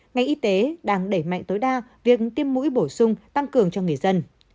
ngành y tế đang đẩy mạnh tối đa việc tiêm mũi bổ sung tăng cường cho người dân